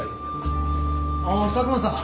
あっ佐久間さん。